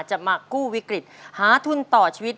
มากู้วิกฤตหาทุนต่อชีวิต